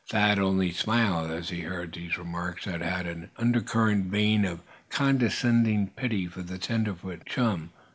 Thad only smiled as he heard these remarks that had an undercurrent vein of condescending pity for the tenderfoot chum.